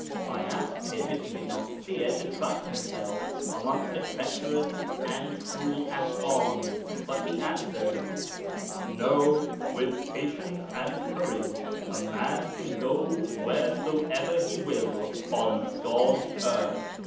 I asked him if he did not fear to trust himself amongst the treacherous and cruel Afghans, but he answered, "No, with patience and courage a man can go wheresoever he will on God's earth."